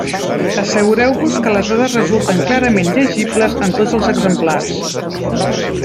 Assegureu-vos que les dades resulten clarament llegibles en tots els exemplars.